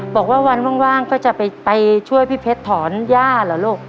บอกว่าวันว่างก็จะไปช่วยพี่เพชรถอนย่าเหรอลูก